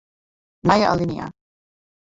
Nije alinea.